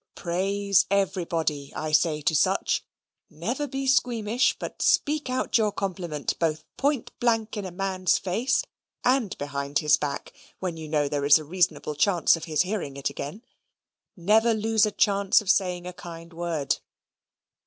Praise everybody, I say to such: never be squeamish, but speak out your compliment both point blank in a man's face, and behind his back, when you know there is a reasonable chance of his hearing it again. Never lose a chance of saying a kind word.